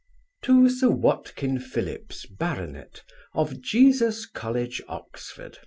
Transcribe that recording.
To Sir WATKIN PHILLIPS, Bart of Jesus college, Oxon.